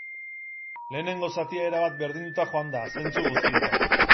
Lehenengo zatia erabat berdinduta joan da, zentzu guztietan.